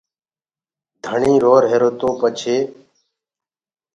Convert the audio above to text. ڌڻيٚ روهيرو تو پڇي